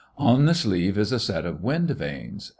On the sleeve is a set of wind vanes, D.